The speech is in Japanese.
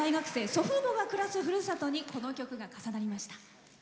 祖父母が暮らすふるさとにこの曲が重なりました。